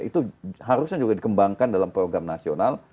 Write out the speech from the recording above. itu harusnya juga dikembangkan dalam program nasional